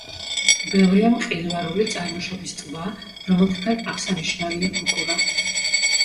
ბევრია მყინვარული წარმოშობის ტბა, რომელთაგან აღსანიშნავია ბუკურა.